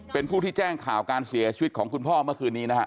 เป็นผู้ที่แจ้งข่าวการเสียชีวิตของคุณพ่อเมื่อคืนนี้นะฮะ